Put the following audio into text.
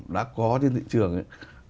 đã có trên thị trường ấy